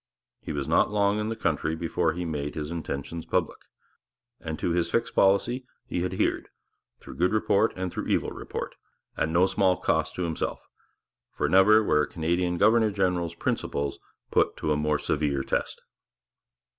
He was not long in the country before he made his intentions public; and to his fixed policy he adhered through good report and through evil report, at no small cost to himself, for never were a Canadian governor general's principles put to a more severe test.